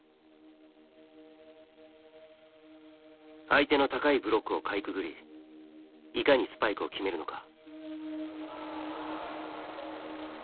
相手の高いブロックをかいくぐりいかにスパイクを決めるのか。